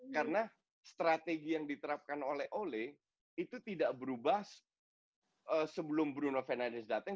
karena strategi yang diterapkan oleh ole itu tidak berubah sebelum bruno fernandes datang